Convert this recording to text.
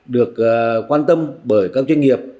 được quan tâm bởi các doanh nghiệp